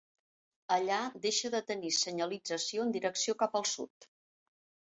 Allà deixa de tenir senyalització en direcció cap al sud.